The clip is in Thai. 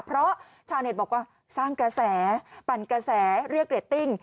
เพราะชาวเน็ตบอกว่าสร้างกระแสปั่นกระแสเรียกเรตติ้ง